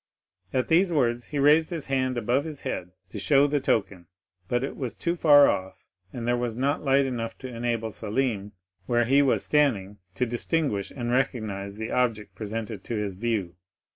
At these words he raised his hand above his head, to show the token; but it was too far off, and there was not light enough to enable Selim, where he was standing, to distinguish and recognize the object presented to his view.